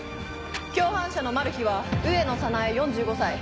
共犯者のマルヒは上野早苗４５歳。